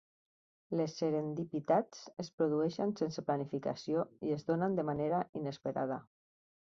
Les serendipitats es produeixen sense planificació i es donen de manera inesperada.